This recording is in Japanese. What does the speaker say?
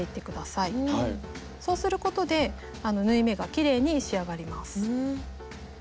そうすることで縫い目がきれいに仕上がります。